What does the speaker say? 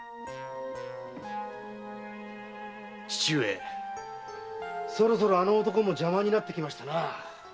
父上そろそろあの男も邪魔になってきましたな。